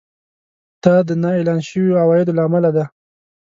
دا د نااعلان شويو عوایدو له امله دی